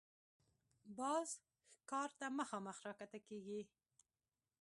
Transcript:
باز ښکار ته مخامخ راښکته کېږي